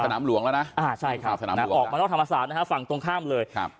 สนามหลวงแล้วนะอ่าใช่ครับสนามออกมานอกธรรมศาสตร์นะฮะฝั่งตรงข้ามเลยครับ